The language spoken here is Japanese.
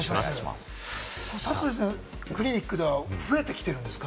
佐藤先生のクリニックでは増えてきてるんですか？